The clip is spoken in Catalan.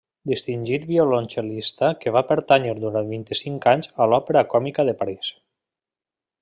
Distingit violoncel·lista que va pertànyer durant vint-i-cinc anys a l'Òpera Còmica de París.